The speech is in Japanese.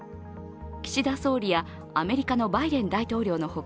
岸田総理やアメリカのバイデン大統領の他